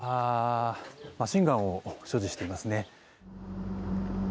隊員は皆マシンガンを所持していますね。